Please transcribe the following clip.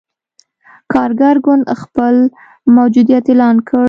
کارګر ګوند خپل موجودیت اعلان کړ.